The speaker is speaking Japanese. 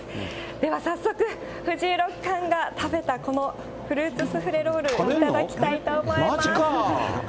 では早速、藤井六冠が食べたこのフルーツスフレロールを頂きたいと思います。